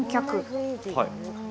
はい。